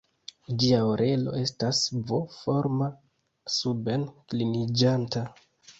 Ĝia orelo estas V-forma, suben-kliniĝanta.